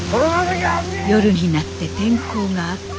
夜になって天候が悪化。